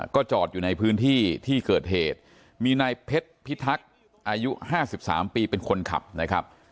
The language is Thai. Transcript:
ก็จอดอยู่ในพื้นที่ที่เกิดเหตุมีนายเพชรพิทักษ์อายุ๕๓ปีเป็นคนขับนะครับ